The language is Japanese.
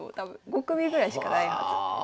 ５組ぐらいしかないはず。